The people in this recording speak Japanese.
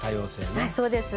はいそうです。